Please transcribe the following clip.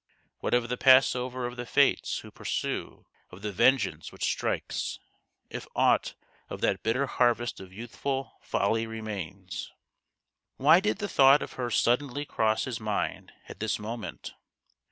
What of the passover of the Fates who pursue, of the Vengeance which strikes, if aught of that bitter harvest of youthful folly remains ? Why did the thought of her suddenly cross his mind at this moment